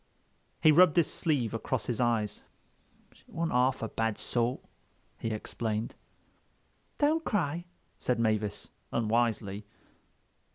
He rubbed his sleeve across his eyes. "She wasn't half a bad sort," he explained. "Don't cry," said Mavis unwisely.